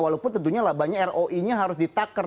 walaupun tentunya labanya roi nya harus di taker